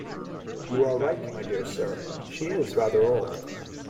You are right, my dear Sir, she is rather old.